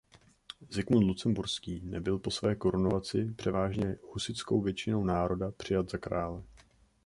Zikmund Lucemburský nebyl po své korunovaci převážně husitskou většinou národa přijat za krále.